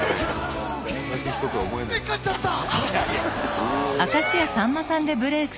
めっかっちゃった！